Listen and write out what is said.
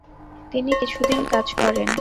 তিনি কিছুদিন কাজ করেন।